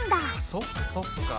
そっかそっか。